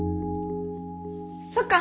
そっか。